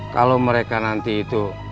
kalau mereka nanti itu